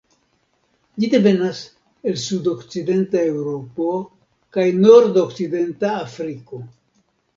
Ĝi devenas el sudokcidenta Eŭropo kaj nordokcidenta Afriko.